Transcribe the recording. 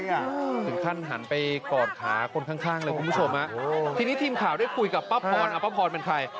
ถึงขั้นหันไปกอดขาคนข้างเลยคุณผู้ชมทีนี้ทีมข่าวได้คุยกับป้าพรป้าพรเป็นใคร